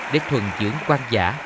để thuần dưỡng quang giả